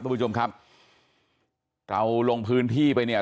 คุณผู้ชมครับเราลงพื้นที่ไปเนี่ย